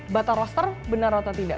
bata roster benar atau tidak